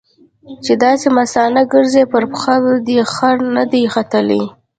چې داسې مستانه ګرځې؛ پر پښه دې خر نه دی ختلی.